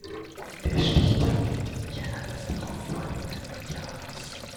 Der Stichtag liegt im Jänner des darauf folgenden Jahres.